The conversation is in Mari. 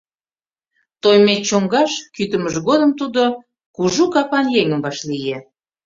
Тоймет чоҥгаш кӱтымыж годым тудо кужу капан еҥым вашлие.